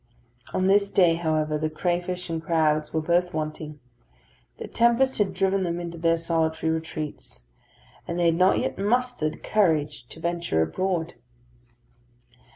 On this day, however, the crayfish and crabs were both wanting. The tempest had driven them into their solitary retreats; and they had not yet mustered courage to venture abroad.